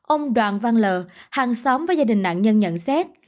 ông đoàn văn lợ hàng xóm với gia đình nạn nhân nhận xét